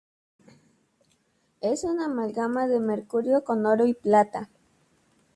Es una amalgama de mercurio con oro y plata.